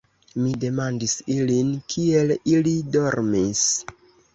Mi demandis ilin, kiel ili dormis.